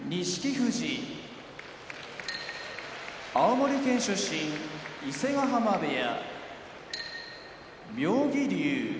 富士青森県出身伊勢ヶ濱部屋